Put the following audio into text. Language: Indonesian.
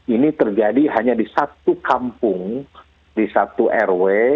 ini terjadi hanya di satu kampung di satu rw